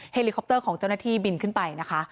เฮลิคอปเตอร์ของเจ้าหน้าที่บินขึ้นไปนะคะ